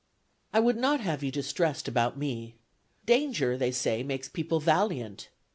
"I would not have you distressed about me. Danger, they say, makes people valiant.